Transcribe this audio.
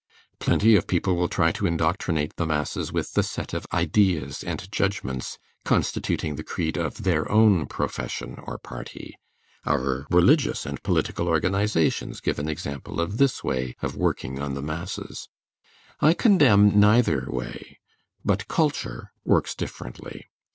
Plenty of people will try to indoctrinate the masses with the set of ideas and judgments constituting the creed of their own profession or party. Our religious and political organizations give an example of this way of working on the masses. I condemn neither way; but culture works differently.